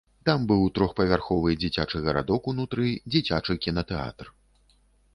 Там быў трохпавярховы дзіцячы гарадок унутры, дзіцячы кінатэатр.